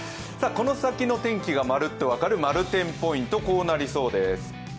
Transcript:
この先の天気がまるっと分かる、まる天ポイント、こうなりそうです。